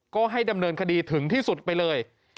ก็ให้ดำเนินคดีถึงที่สุดไปเลย